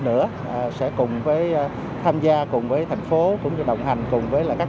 nhiều doanh nghiệp nữa sẽ cùng với tham gia cùng với thành phố cũng như đồng hành cùng với là các